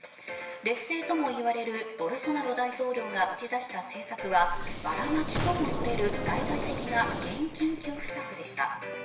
劣勢ともいわれるボルソナロ大統領が打ち出した政策はばらまきとも取れる大々的な現金給付策でした。